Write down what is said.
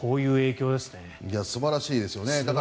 素晴らしいですよね。